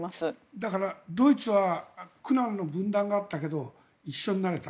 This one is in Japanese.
だからドイツは苦難の分断があったけど一緒になれた。